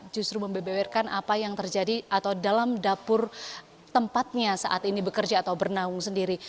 justru membeberkan apa yang terjadi atau dalam dapur tempatnya saat ini bekerja atau bernaung sendiri